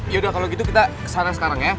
yaudah kalau gitu kita kesana sekarang ya